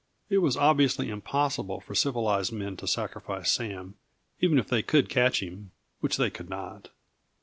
It was obviously impossible for civilized men to sacrifice Sam, even if they could catch him which they could not.